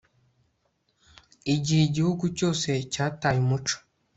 igihe igihugu cyose cyataye umuco